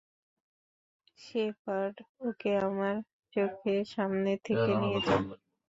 Shepherd, ওকে আমার চোখের সামনে থেকে নিয়ে যাও!